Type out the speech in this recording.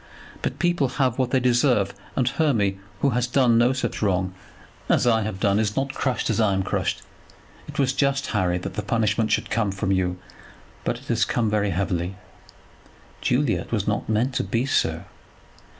But people have what they deserve, and Hermy, who has done no such wrong as I have done, is not crushed as I am crushed. It was just, Harry, that the punishment should come from you, but it has come very heavily." "Julia, it was not meant to be so."